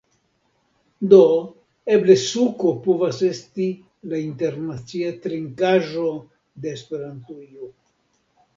Do, eble suko povas esti la internacia trinkaĵo de Esperantujo